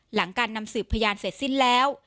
หลังการนำสืบพยานเสร็จสิ้นแล้ว